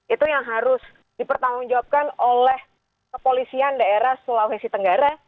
itu yang harus dipertanggungjawabkan oleh kepolisian daerah sulawesi tenggara